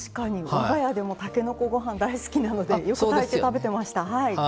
我が家でもたけのこごはん大好きなのでよく炊いて食べてましたはい。